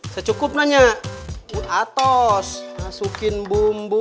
secukupnya nya atos masukin bumbu